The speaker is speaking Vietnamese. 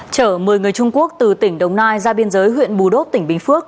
trở một mươi người trung quốc từ tỉnh đồng nai ra biên giới huyện bù đốt tỉnh bình phước